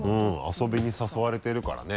遊びに誘われてるからね。